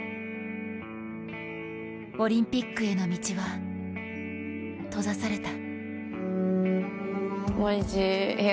オリンピックへの道は閉ざされた。